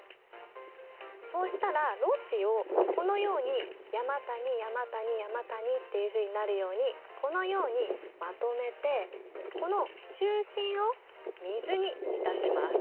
そうしたらろ紙をこのように山谷山谷山谷っていうふうになるようにこのようにまとめてこの中心を水に浸します。